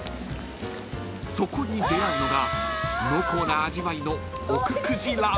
［そこに出合うのが濃厚な味わいの］